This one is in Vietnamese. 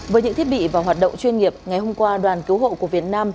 với những thiết bị và hoạt động chuyên nghiệp ngày hôm qua đoàn cứu hộ của việt nam